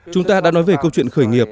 chúng ta đã nói về câu chuyện khởi nghiệp